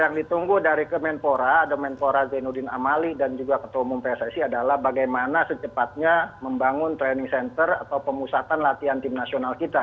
yang ditunggu dari kementpora kementpora zainuddin amali dan juga ketua umum pssi adalah bagaimana secepatnya membangun training center atau pemusatan latihan timnasional kita